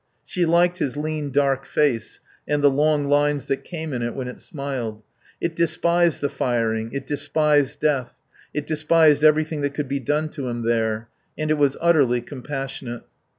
She liked his lean dark face and the long lines that came in it when it smiled. It despised the firing, it despised death, it despised everything that could be done to him there. And it was utterly compassionate.